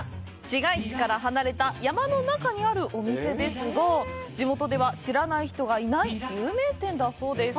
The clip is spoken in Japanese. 市街地から離れた山の中にあるお店ですが地元では、知らない人がいない有名店だそうです。